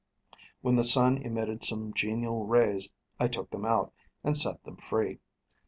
When the sun emitted some genial rays, I took them out, and set them free.